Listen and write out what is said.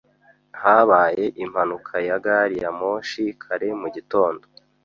Habaye impanuka ya gari ya moshi kare mugitondo.